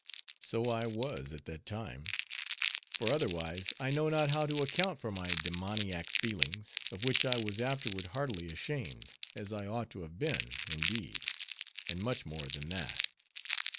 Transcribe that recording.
So I was at that time; for otherwise I know not how to account for my demoniac feelings, of which I was afterward heartily ashamed, as I ought to have been, indeed; and much more than that.